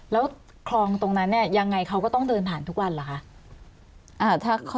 แล้วคลองตรงนั้นเนี่ยยังไงเขาก็ต้องเดินผ่านทุกวันเหรอคะ